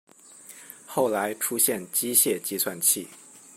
后来出现机械计算器。